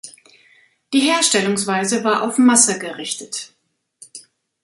Die Herstellungsweise war auf Masse gerichtet.